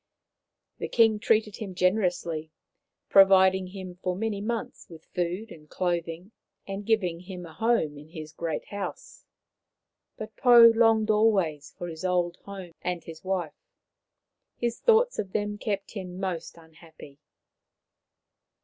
The king treated him generously, providing him for many months with food and clothing, and giving him a home in his great house. But Pou longed always for his old home and his wife. His thoughts of them kept him most unhappy.